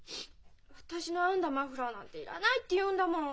私の編んだマフラーなんて要らないって言うんだもん。